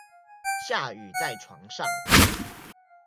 下雨在床上